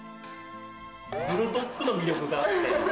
ブルドッグの魅力があって。